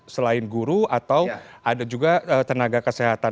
selain guru atau ada juga tenaga kesehatan